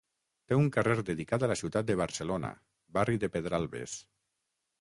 Té un carrer dedicat a la ciutat de Barcelona, barri de Pedralbes.